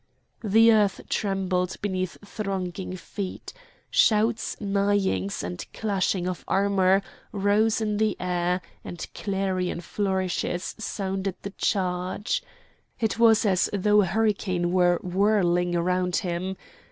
The earth trembled beneath thronging feet. Shouts, neighings, and clashing of armour rose in the air, and clarion flourishes sounded the charge. It was as though a hurricane were whirling around him.